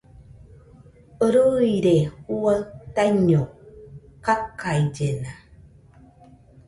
Rɨire juaɨ taiño kakaillena